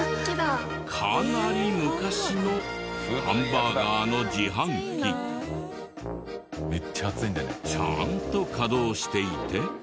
かなり昔のハンバーガーの自販機。ちゃんと稼働していて。